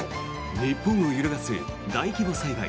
日本を揺るがす大規模災害。